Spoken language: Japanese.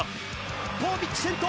ポポビッチ先頭！